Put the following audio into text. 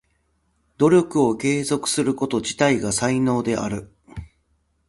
努力を継続すること自体が才能である。